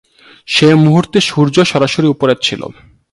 সে মুহূর্তে সূর্য সরাসরি উপরে ছিল।